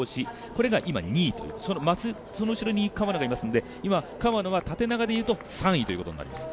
これが今２位という、その後ろに川野がいますので今、川野は縦長でいうと３位ということになります。